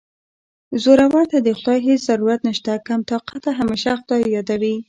زورور ته د خدای هېڅ ضرورت نشته کم طاقته همېشه خدای یادوي